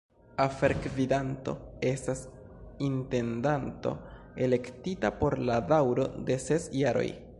Afergvidanto estas intendanto elektita por la daŭro de ses jaroj.